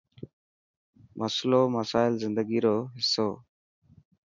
مسلو، مسئلا زندگي رو حصو هي.